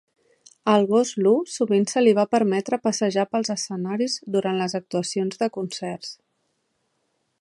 Al gos Lou sovint se li va permetre passejar pels escenaris durant les actuacions de concerts.